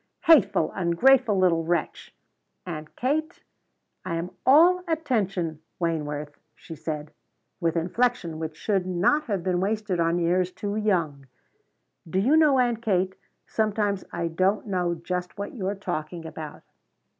"Hateful, ungrateful little wretch!" "Aunt Kate?" "I am all attention, Wayneworth," she said, with inflection which should not have been wasted on ears too young. "Do you know, Aunt Kate, sometimes I don't know just what you're talking about."